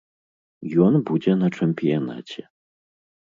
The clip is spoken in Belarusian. Ён будзе на чэмпіянаце.